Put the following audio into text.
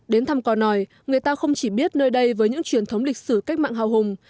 đến thăm co nòi người ta không chỉ biết nơi đây với những truyền thống lịch sử cách mạng hào hùng